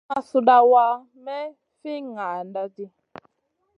Sa ma suɗawa may fi ŋaʼaɗ ɗi.